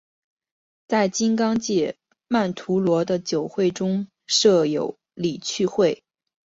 在金刚界曼荼罗的九会中设有理趣会。